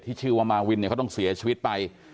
ชื่อว่ามาวินเนี่ยเขาต้องเสียชีวิตไป